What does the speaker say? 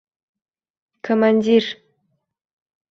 Komandir